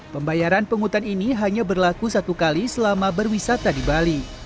pembayaran penghutan ini hanya berlaku satu kali selama berwisata di bali